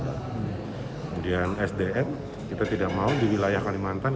kemudian sdm kita tidak mau di wilayah kalimantan